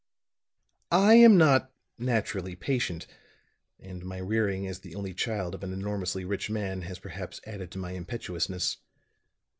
"I am not naturally patient; and my rearing as the only child of an enormously rich man has perhaps added to my impetuousness.